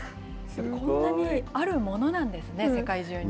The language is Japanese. こんなにあるものなんですね、世界中に。